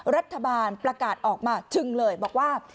รัฐบาลประกาศออกมาชึงเลยบอกว่า